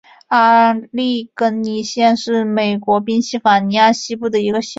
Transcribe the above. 阿利根尼县是美国宾夕法尼亚州西部的一个县。